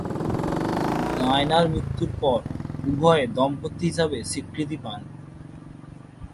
ডায়ানা’র মৃত্যুর পর উভয়ে দম্পতি হিসেবে স্বীকৃতি পান।